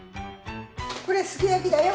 これ、すき焼きだよ。